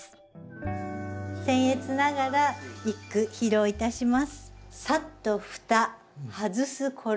せん越ながら一句披露いたします。